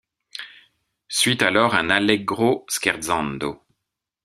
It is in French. Suit alors un allegro scherzando.